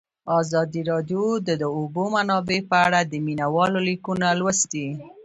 ازادي راډیو د د اوبو منابع په اړه د مینه والو لیکونه لوستي.